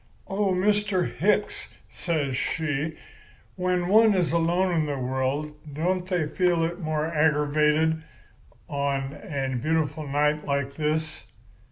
"'Oh, Mr. Hicks,' says she, 'when one is alone in the world, don't they feel it more aggravated on a beautiful night like this?